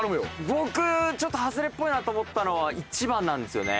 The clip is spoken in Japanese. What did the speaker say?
僕ちょっとハズレっぽいなと思ったのは１番なんですよね。